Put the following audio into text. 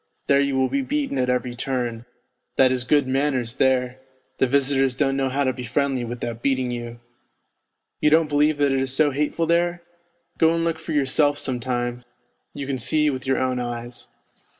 There you will be beaten at every turn; that is good manners there, the visitors don't know how to be friendly without beating you. You don't believe that it is so hateful there ? Go and look for yourself some time, you can see with your own eyes.